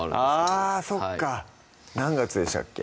あそっか何月でしたっけ？